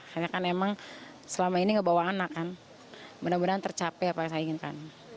hanya kan memang selama ini membawa anak benar benar tercapek apa yang saya inginkan